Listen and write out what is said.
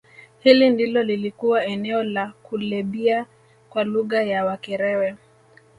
Hili ndilo lilikuwa eneo la Kulebhiya kwa lugha ya Wakerewe